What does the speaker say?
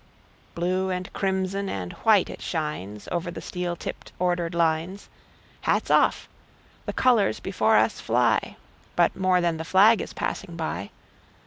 Blue and crimson and white it shines, Over the steel tipped, ordered lines. Hats off! The colors before us fly; But more than the flag is passing by.